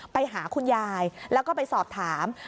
ไปหาคุณยายแล้วก็ไปสอบถาม